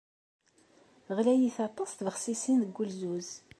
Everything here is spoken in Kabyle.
Ɣlayit aṭas tbexsisin deg wulzuz.